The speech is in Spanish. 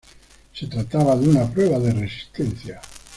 Se trataba de una prueba de resistencia.